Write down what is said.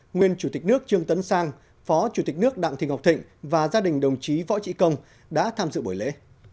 nguyên chủ tịch nước trương tấn sang phó chủ tịch nước đặng thị ngọc thịnh và gia đình đồng chí võ trí công đã tham dự buổi lễ